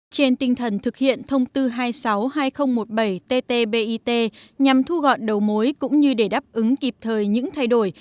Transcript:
trên tinh thần thực hiện thông tư hai mươi sáu hai nghìn một mươi bảy tt bit nhằm thu gọn đầu mối cũng như để đáp ứng kịp thời những thay đổi